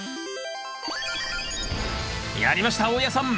やりました大家さん。